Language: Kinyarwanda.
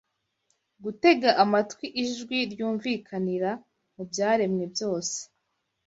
gutega amatwi ijwi ryumvikanira mu byaremwe byose